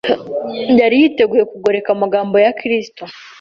Yari yiteguye kugoreka amagambo ya Kristo